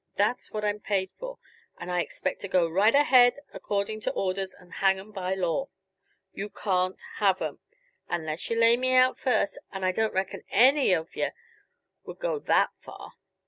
That's what I'm paid for, and I expect to go right ahead according to orders and hang 'em by law. You can't have 'em unless yuh lay me out first, and I don't reckon any of yuh would go that far."